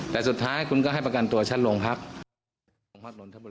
แต่สุดท้ายคุณก็ให้ประกันตัวชั้นลงครับ